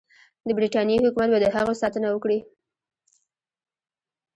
د برټانیې حکومت به د هغوی ساتنه وکړي.